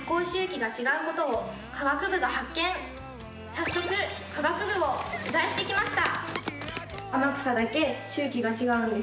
早速科学部を取材してきました。